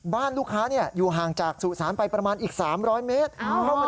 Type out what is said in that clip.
บ้านลูกค้าอยู่ห่างจากสุสานไปประมาณอีก๓๐๐เมตร